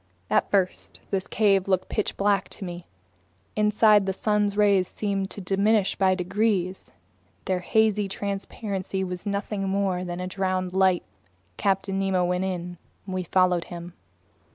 At first this cave looked pitch black to me. Inside, the sun's rays seemed to diminish by degrees. Their hazy transparency was nothing more than drowned light. Captain Nemo went in. We followed him.